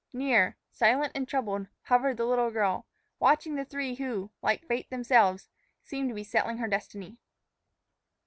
Near, silent and troubled, hovered the little girl, watching the three who, like the Fates themselves, seemed to be settling her destiny.